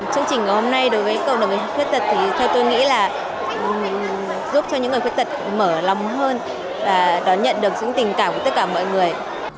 chương trình của hôm nay đối với cộng đồng người khuyết tật thì theo tôi nghĩ là giúp cho những người khuyết tật mở lòng hơn và đón nhận được những tình cảm của tất cả mọi người